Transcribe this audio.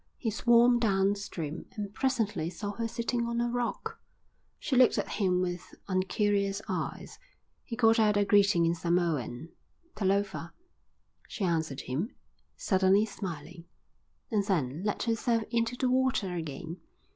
He swam downstream and presently saw her sitting on a rock. She looked at him with uncurious eyes. He called out a greeting in Samoan. "Talofa." She answered him, suddenly smiling, and then let herself into the water again.